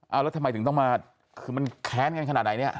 เอาแล้วทำไมถึงต้องมาคือมันแค้นกันขนาดไหนเนี่ย